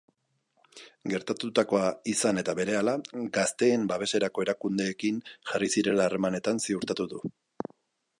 Gertatutakoa izan eta berehala, gazteen babeserako erakundeekin jarri zirela harremanetan ziurtatu du.